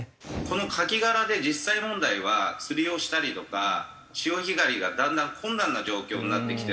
このカキ殻で実際問題は釣りをしたりとか潮干狩りがだんだん困難な状況になってきてます。